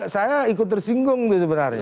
saya ikut tersinggung sebenarnya